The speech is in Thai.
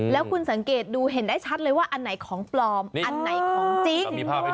แล้วคุณสังเกตดูเห็นได้ชัดเลยว่าอันไหนของปลอมอันไหนของจริง